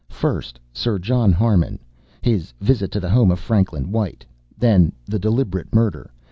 First, Sir John Harmon his visit to the home of Franklin White. Then the deliberate murder.